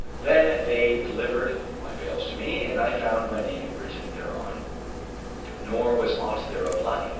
Then they delivered my bales to me, and I found my name written thereon, nor was aught thereof lacking.